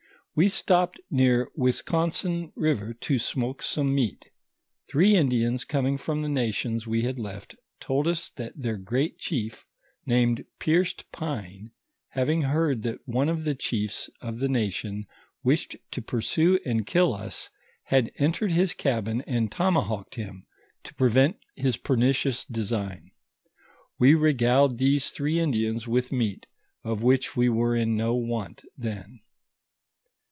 We stopped near Ouisconsin river to smoke some meat ; three Indians coming from the nations we had left, told us that their great chief named Pierced pine, having heard that one of the chiefs of the nation wished to pursue and kill us, had entered his cabin and tomahawked him, to prevent his pernicious design. We regaled these three Indians with meat, of which we were in no want then.